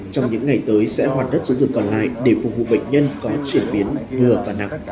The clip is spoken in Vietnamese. trong những ngày tới sẽ hoàn tất số giường còn lại để phục vụ bệnh nhân có chuyển biến vừa và nặng